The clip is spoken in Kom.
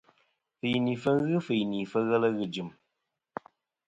Fɨyinifɨ ghɨ fɨyinìfɨ ghelɨ ghɨ jɨ̀m.